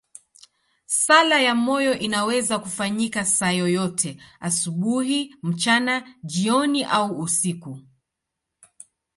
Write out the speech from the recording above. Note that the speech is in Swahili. Sala ya moyo inaweza kufanyika saa yoyote, asubuhi, mchana, jioni au usiku.